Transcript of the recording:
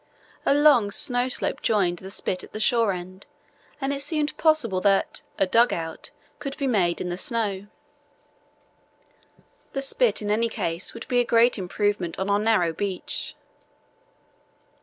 A long snow slope joined the spit at the shore end, and it seemed possible that a "dugout" could be made in the snow. The spit, in any case, would be a great improvement on our narrow beach.